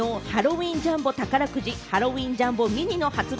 きのうハロウィンジャンボ宝くじ、ハロウィンジャンボミニの発売